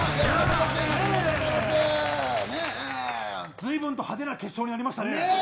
ずいぶんと派手な決勝になりましたね。